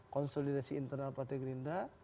konsolidasi internal pak tegelinda